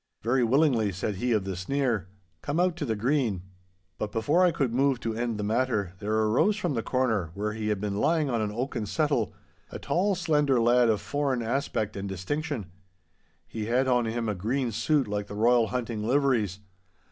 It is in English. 'Very willingly,' said he of the sneer. 'Come out to the green.' But before I could move to end the matter, there arose from the corner, where he had been lying on an oaken settle, a tall, slender lad of foreign aspect and distinction. He had on him a green suit like the Royal hunting liveries.